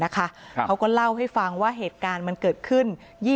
เขาก็เล่าให้ฟังว่าเหตุการณ์มันเกิดขึ้น